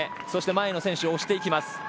そして前の選手を押していきます。